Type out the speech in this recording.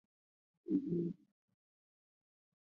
另明朝人不禁吃猪肉。